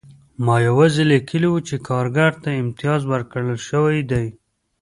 ما یوازې لیکلي وو چې کارګر ته امتیاز ورکړل شوی دی